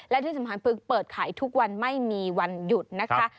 และที่สำคัญปึ๊กเปิดขายทุกวันไม่มีวันหยุดนะคะ